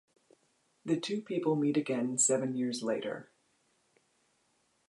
The two people meet again seven years later.